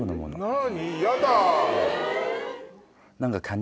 何？